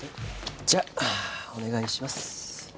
じゃあお願いします。